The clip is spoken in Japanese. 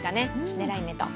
狙い目と。